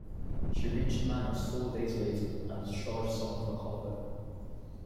She reached Manus four days later and discharged some of her cargo.